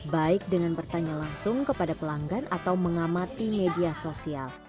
baik dengan bertanya langsung kepada pelanggan atau mengamati media sosial